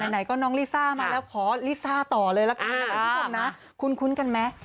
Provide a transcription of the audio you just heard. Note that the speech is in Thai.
ไหนก็น้องลิซ่ามาแล้วขอลิซ่าต่อเลยล่ะคุณคุ้นกันมั้ย